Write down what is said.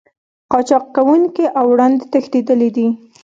قاچاق کوونکي له وړاندې تښتېدلي دي